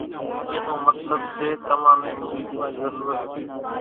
اين نون مطلٻ سي تمان نين مڳتي نِي ضرورت سي